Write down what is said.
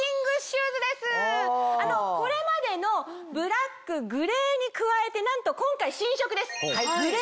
これまでのブラックグレーに加えてなんと今回新色です。